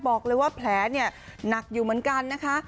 บอกเลยว่าแผลเนี่ยหนักอยู่เหมือนกันนะคะ